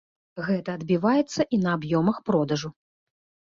Гэта адбіваецца і на аб'ёмах продажу.